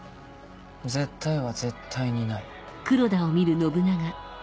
「絶対」は絶対にない。